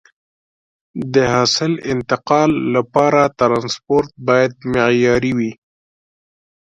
د حاصل انتقال لپاره ترانسپورت باید معیاري وي.